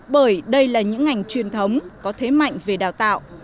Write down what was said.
bởi đây là những ngành truyền thống có thế mạnh về đào tạo